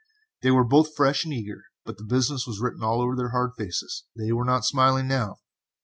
They were both fresh and eager, but business was written all over their hard faces, they were not smiling now.